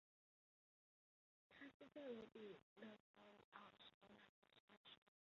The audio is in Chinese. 卡斯特罗比勒陀里奥是罗马的第十八区。